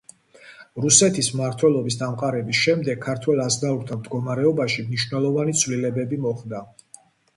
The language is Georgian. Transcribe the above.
რუსეთის მმართველობის დამყარების შემდეგ ქართველ აზნაურთა მდგომარეობაში მნიშვნელოვანი ცვლილებები მოხდა.